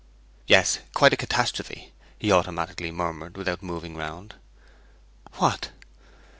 'Yes, quite a catastrophe!' he automatically murmured, without moving round. 'What?'